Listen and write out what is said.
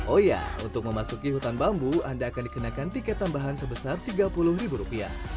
oh ya untuk memasuki hutan bambu anda akan dikenakan tiket tambahan sebesar rp tiga puluh